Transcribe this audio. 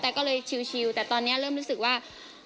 แต่ก็เลยชิวแต่ตอนนี้เริ่มรู้สึกว่า